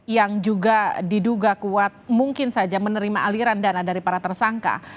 yang juga diduga kuat mungkin saja menerima aliran dana dari para tersangka